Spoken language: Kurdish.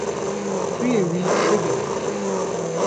Tu yê wî bibînî.